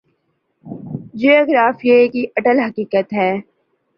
جغرافیے کی اٹل حقیقت ہوتی ہے۔